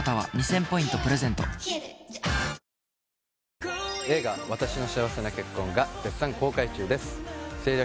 ぷはーっ映画「わたしの幸せな結婚」が絶賛公開中です政略